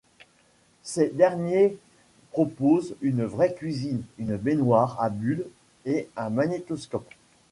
Ces derniers proposent une vraie cuisine, une baignoire à bulles et un magnétoscope.